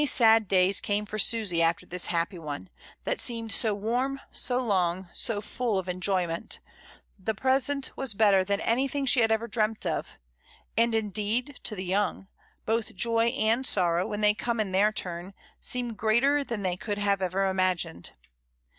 sad days came for Susy after this happy one, that seemed so warm, so long, so full of enjoyment, the present was better than an3rthing she had ever dreamt of — and indeed, to the young, both joy and sorrow, when they come in their turn, seem greater than they could have ever imagined.